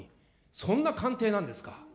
そんな官邸なんですか。